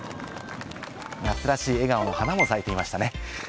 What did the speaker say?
夏らしい笑顔の花も咲いていましたね。